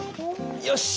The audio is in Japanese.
よし！